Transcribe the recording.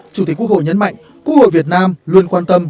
chủ tịch quốc hội nhấn mạnh quốc hội việt nam luôn quan tâm